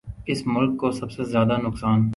اس ملک کو سب سے زیادہ نقصان